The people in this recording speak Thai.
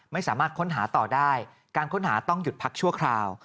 ไม่สามารถค้นหาต่อได้การค้นหาต้องหยุดพักชั่วคราว